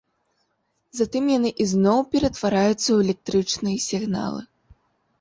Затым яны ізноў ператвараюцца ў электрычныя сігналы.